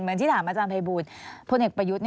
ไม่ได้หรอก